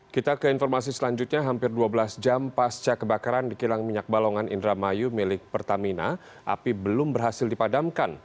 kita ke informasi selanjutnya hampir dua belas jam pasca kebakaran di kilang minyak balongan indramayu milik pertamina api belum berhasil dipadamkan